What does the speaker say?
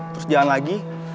terus jalan lagi